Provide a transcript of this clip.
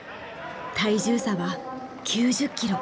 体重差は９０キロ！